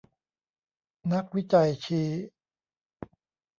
นักวิจัยชี้